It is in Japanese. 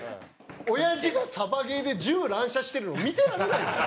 おやじがサバゲーで銃乱射してるの見てられないです。